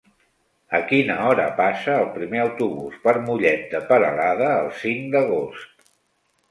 A quina hora passa el primer autobús per Mollet de Peralada el cinc d'agost?